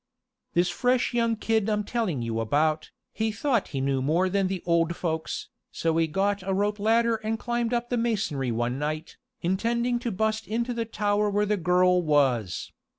"This fresh young kid I'm telling you about, he thought he knew more than the old folks, so he got a rope ladder and climbed up the masonry one night, intending to bust into the tower where the girl was.